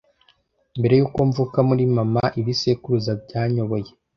Mbere yuko mvuka muri mama ibisekuruza byanyoboye,